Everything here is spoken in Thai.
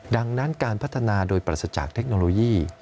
ดังนั้นการพัฒนาโดยปรัสจากเทคโนโลยี